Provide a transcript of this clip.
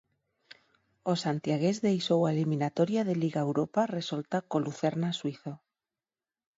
O santiagués deixou a eliminatoria de Liga Europa resolta co Lucerna suízo.